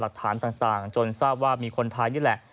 หลักฐานต่างจนทราบว่ามีคนไทยนี่แหละ